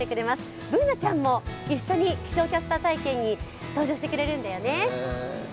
Ｂｏｏｎａちゃんも一緒に気象キャスター体験に登場してくれるんだよね。